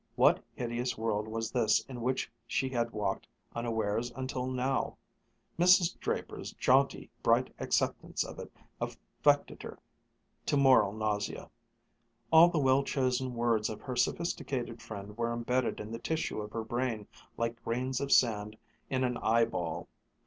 What hideous world was this in which she had walked unawares until now! Mrs. Draper's jaunty, bright acceptance of it affected her to moral nausea. All the well chosen words of her sophisticated friend were imbedded in the tissue of her brain like grains of sand in an eyeball.